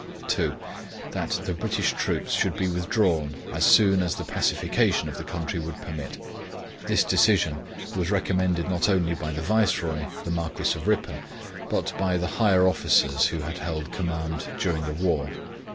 2. That the British troops should be withdrawn as soon as the pacification of the country would permit. This decision was recommended not only by the Viceroy, the Marquis of Ripon, but by the higher officers who had held command during the war.